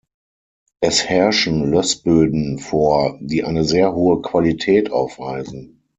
Es herrschen Lössböden vor, die eine sehr hohe Qualität aufweisen.